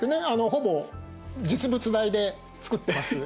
ほぼ実物大で作ってます。